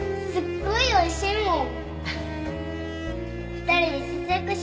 すっごいおいしいもん！